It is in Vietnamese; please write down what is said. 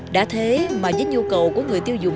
đã thế mà với nhu cầu của người tiêu dùng